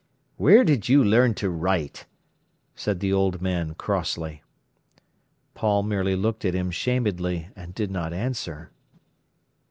"Where did you learn to write?" said the old man crossly. Paul merely looked at him shamedly, and did not answer.